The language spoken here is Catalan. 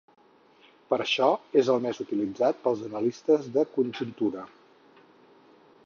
Per això és el més utilitzat pels analistes de conjuntura.